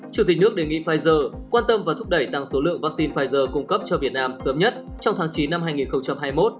chủ tịch nước đề nghị pfizer quan tâm và thúc đẩy tăng số lượng vaccine pfizer cung cấp cho việt nam sớm nhất trong tháng chín năm hai nghìn hai mươi một